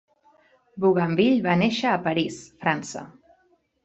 Bougainville va néixer a París, França.